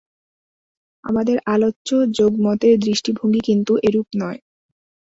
আমাদের আলোচ্য যোগ-মতের দৃষ্টিভঙ্গী কিন্তু এরূপ নয়।